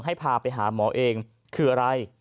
ให้พาไปหาหมอเองคืออะไร